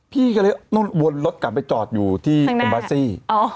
พี่ก็เลยวนรถกลับไปจอดอยู่ที่เซ็นเบอร์ซี่